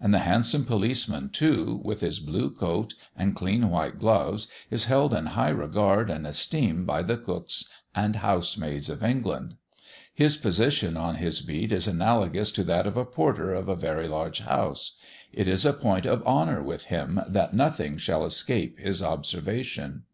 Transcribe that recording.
And the handsome policeman, too, with his blue coat and clean white gloves, is held in high regard and esteem by the cooks and housemaids of England. His position on his beat is analogous to that of the porter of a very large house; it is a point of honour with him, that nothing shall escape his observation.